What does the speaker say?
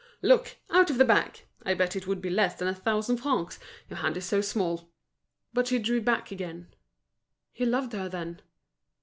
"Look! out of the bag. I bet it would be less than a thousand francs, your hand is so small!" But she drew back again. He loved her, then?